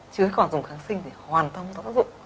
chứ còn dùng kháng sinh thì hoàn toàn không có tác dụng